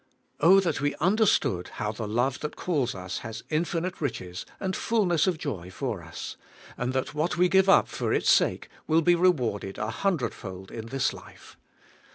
that we understood how the love that calls us has infinite riches and fulness of joy for us, and that what we give up for its sake will be rewarded a hundred fold in this life!